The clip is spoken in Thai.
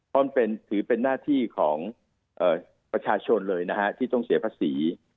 เพราะถือเป็นหน้าที่ของประชาชนเลยนะฮะที่ต้องเสียภาษี